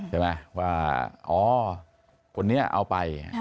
ใช่ไหมว่าอ๋อคนนี้เอาไป